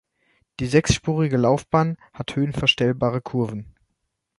Die sechsspurige Laufbahn hat höhenverstellbare Kurven.